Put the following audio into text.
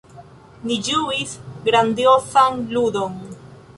Ni ĝuis grandiozan ludon.